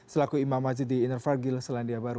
selaku imam haji di inner fargil selandia baru